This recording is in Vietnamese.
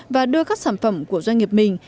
và đưa các sản phẩm của doanh nghiệp mình